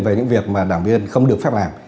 về những việc mà đảng viên không được phép làm